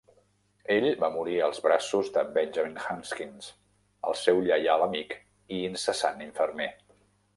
Ell va morir als braços de Benjamin Hunkins, el seu lleial amic i incessant infermer.